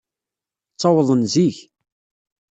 Ttawḍen zik.